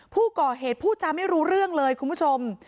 ผู้ก่อเหตุพูดจาไม่รู้เรื่องเลยคุณผู้ชม